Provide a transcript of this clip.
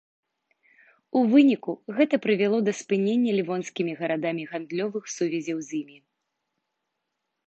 У выніку гэта прывяло да спынення лівонскімі гарадамі гандлёвых сувязяў з імі.